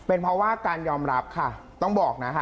เป็นเพราะว่าการยอมรับค่ะต้องบอกนะคะ